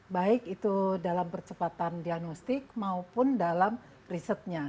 baik itu dalam percepatan diagnostik maupun dalam risetnya